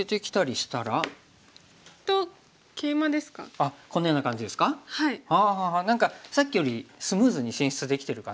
あ何かさっきよりスムーズに進出できてる感じですね。